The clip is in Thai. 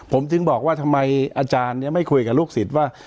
ผมจึงบอกว่าทำไมอาจารย์ไม่คุยกับลูกศิษย์ว่า